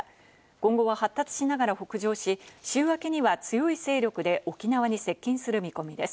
今後は発達しながら北上し、週明けには強い勢力で沖縄に接近する見込みです。